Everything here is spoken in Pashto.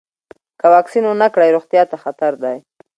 که واکسین ونه کړئ، روغتیا ته خطر دی.